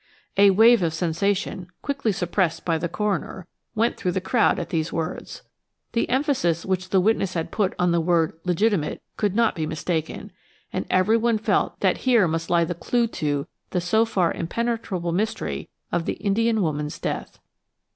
A wave of sensation, quickly suppressed by the coroner, went through the crowd at these words. The emphasis which the witness had put on the word "legitimate" could not be mistaken, and everyone felt that here must lie the clue to the, so far impenetrable, mystery of the Indian woman's death.